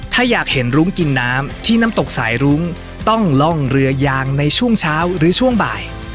ถ้าอยากเห็นรุ้งกินน้ำที่น้ำตกสายรุ้งต้องล่องเรือยางในช่วงเช้าหรือช่วงบ่าย